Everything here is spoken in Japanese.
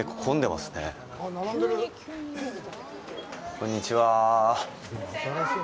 こんにちは。